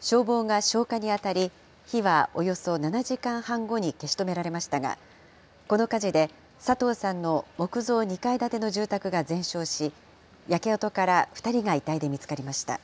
消防が消火に当たり、火はおよそ７時間半後に消し止められましたが、この火事で佐藤さんの木造２階建ての住宅が全焼し、焼け跡から２人が遺体で見つかりました。